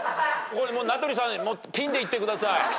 名取さんピンでいってください。